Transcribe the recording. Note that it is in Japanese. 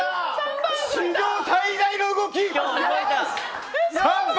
史上最大の動き！